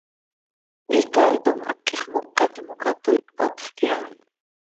Icaaitom haquix moca timoca toii cpatjc iha.